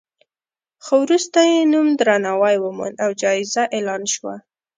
خو وروسته یې نوم درناوی وموند او جایزه اعلان شوه.